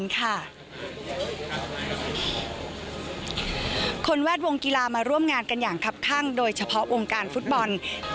การธีลามาร่วมงานกันอย่างคับข้างโดยเฉพาะองค์การฟุตบอล